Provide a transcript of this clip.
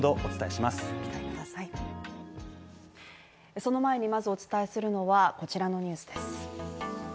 その前にまずお伝えするのは、こちらのニュースです。